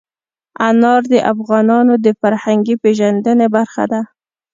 انار د افغانانو د فرهنګي پیژندنې برخه ده.